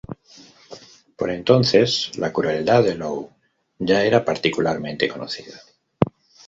Por entonces, la crueldad de Low ya era particularmente conocida.